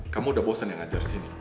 kamu udah bosan yang ngajar disini